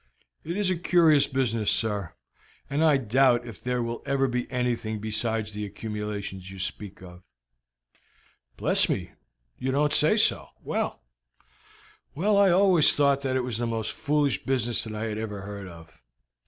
"It is a curious business, sir, and I doubt if there will ever be anything besides the accumulations you speak of." "Bless me, you don't say so! Well, well, I always thought that it was the most foolish business that I ever heard of.